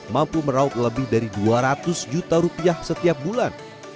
mampu merauk lebih dari dua ratus juta rupiah setiap bulan